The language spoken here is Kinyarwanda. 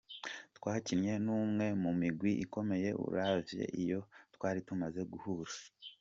"Twakinye n'umwe mu migwi ikomeye uravye iyo twari tumaze guhura.